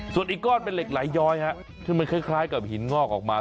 ส่วนอีกก้อนเป็นเหล็กไหลย้อยที่มันคล้ายกับหินงอกออกมา